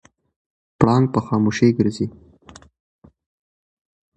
پړانګ په خاموشۍ ګرځي.